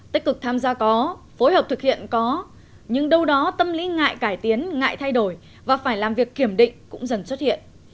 tích cực tham gia có phối hợp thực hiện có nhưng đâu đó tâm lý ngại cải tiến ngại thay đổi và phải làm việc kiểm định cũng dần xuất hiện